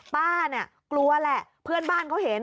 ป้าเนี่ยกลัวแหละเพื่อนบ้านเขาเห็น